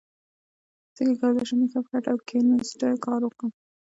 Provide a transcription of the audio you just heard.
څنګه کولی شم د کپ کټ او کینوسټر کار وکړم